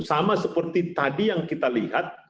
sama seperti tadi yang kita lihat